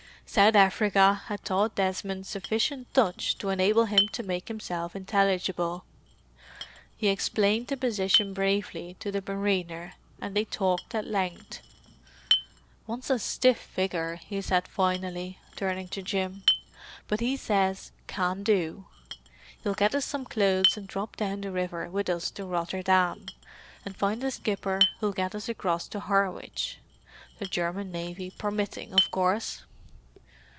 South Africa had taught Desmond sufficient Dutch to enable him to make himself intelligible. He explained the position briefly to the mariner, and they talked at length. "Wants a stiff figure," he said finally, turning to Jim. "But he says 'can do.' He'll get us some clothes and drop down the river with us to Rotterdam, and find a skipper who'll get us across to Harwich—the German navy permitting, of course!"